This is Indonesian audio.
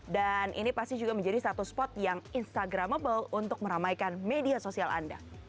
dan ini pasti juga menjadi satu spot yang instagramable untuk meramaikan media sosial anda